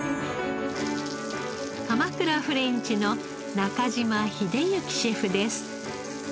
鎌倉フレンチの中嶋秀之シェフです。